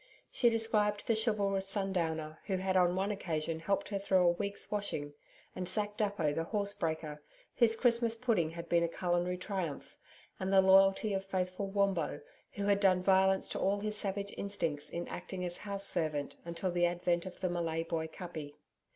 She described the chivalrous SUNDOWNER who had on one occasion helped her through a week's washing; and Zack Duppo the horsebreaker, whose Christmas pudding had been a culinary triumph, and the loyalty of faithful Wombo, who had done violence to all his savage instincts in acting as house servant until the advent of the Malay boy Kuppi.